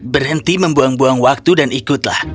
berhenti membuang buang waktu dan ikutlah